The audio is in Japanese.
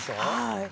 はい。